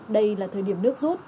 đây là thời điểm nước rút